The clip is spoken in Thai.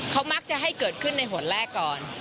เขามักจะให้เกิดขึ้นในหนแรกก่อน